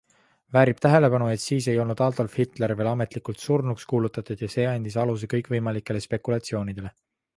Väärib tähelepanu, et siis ei olnud Adolf Hitler veel ametlikult surnuks kuulutatud ja see andis aluse kõikvõimalikele spekulatsioonidele.